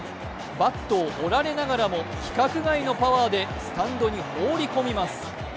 バットを折られながらも規格外のパワーでスタンドに放り込みます。